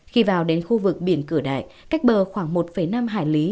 khi vào đến khu vực biển cửa đại cách bờ khoảng một năm hải lý